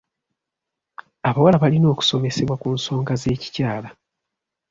Abawala balina okusomesebwa ku nsonga z'ekikyala.